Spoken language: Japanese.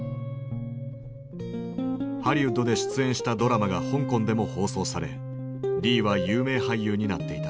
ハリウッドで出演したドラマが香港でも放送されリーは有名俳優になっていた。